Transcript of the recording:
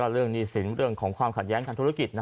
เรื่องนี้สิเรื่องของความขัดแย้งการธุรกิจ